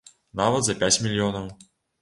Нават за пяць мільёнаў.